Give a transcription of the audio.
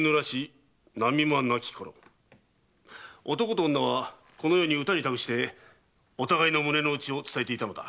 男と女はこのように歌に託してお互いの胸の内を伝えていたのだ。